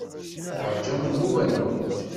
Teṛjamt nnuba-nwent.